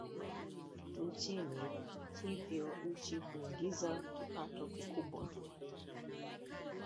nchini hivyo nchi huiingiza kipato kikubwa